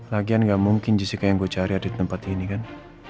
lagian gak mungkin jessica yang gue cari ada di tempat ini kan